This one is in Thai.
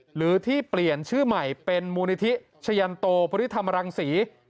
หรือที่เปลี่ยนชื่อใหม่เป็นมูลนิธิชยันโตพฤธรรมรังศรี